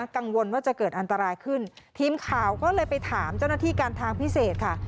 กังวลว่าจะเกิดอันตรายขึ้นทีมข่าวก็เลยไปถามเจ้าหน้าที่การทางพิเศษค่ะ